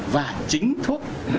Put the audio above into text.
và chính thuốc